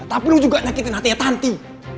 tapi lo juga nyakitin hati tanti